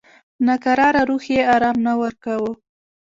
ناکراره روح یې آرام نه ورکاوه.